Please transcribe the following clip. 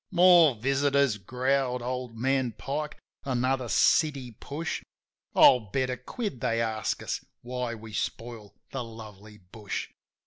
"More visitors !" growled old man Pike. "Another city push. I'll bet a quid they ask us why we 'spoil the lovely bush.'